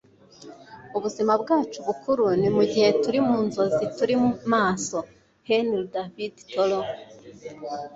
ubuzima bwacu bwukuri ni mugihe turi mu nzozi turi maso. - henry david thoreau